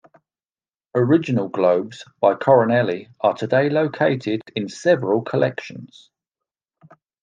Original globes by Coronelli are today located in several collections.